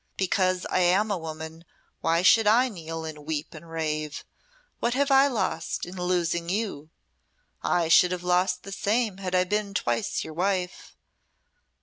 Because I am a woman why should I kneel, and weep, and rave? What have I lost in losing you? I should have lost the same had I been twice your wife.